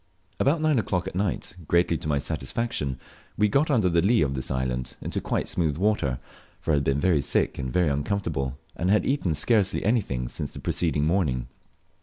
About nine o'clock at night, greatly to my satisfaction, we got under the lea of this island, into quite smooth water for I had been very sick and uncomfortable, and had eaten scarcely anything since the preceding morning.